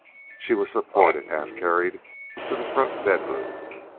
She was supported, half carried, to the front bedroom.